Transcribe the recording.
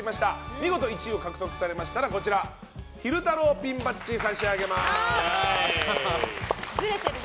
見事１位を獲得されましたら昼太郎ピンバッジを差し上げます。